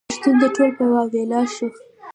پښتون دې ټول په واویلا شو.